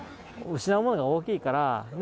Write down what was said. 失うものが大きいからね。